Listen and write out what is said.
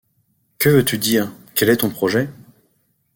Que veux-tu dire ? quel est ton projet ?